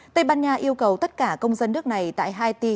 tây ban nha yêu cầu tất cả công dân nước này tại haiti